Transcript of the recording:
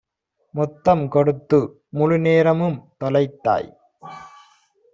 முத்தம் கொடுத்து முழுநேர மும்தொலைத்தாய்.